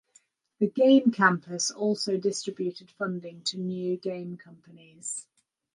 The game campus also distributed funding to new game companies.